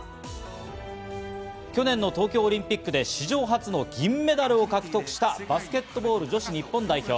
去年の東京オリンピックで史上初の銀メダルを獲得したバスケットボール女子日本代表。